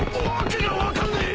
訳が分からねえ！